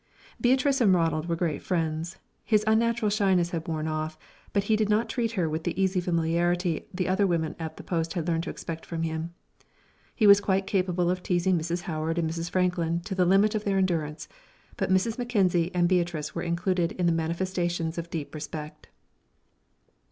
Beatrice and Ronald were great friends. His unnatural shyness had worn off, but he did not treat her with the easy familiarity the other women at the post had learned to expect from him. He was quite capable of teasing Mrs. Howard and Mrs. Franklin to the limit of their endurance; but Mrs. Mackenzie and Beatrice were included in the manifestations of deep respect.